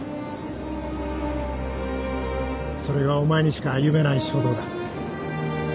それがお前にしか歩めない書道だ。